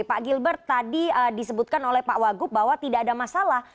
pak gilbert tadi disebutkan oleh pak wagub bahwa tidak ada masalah